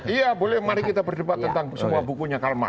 iya boleh mari kita berdebat tentang semua bukunya